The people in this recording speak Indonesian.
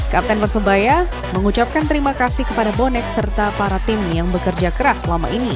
kapten persebaya mengucapkan terima kasih kepada bonek serta para tim yang bekerja keras selama ini